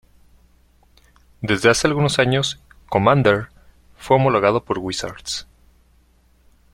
Desde hace algunos años "Commander" fue homologado por Wizards.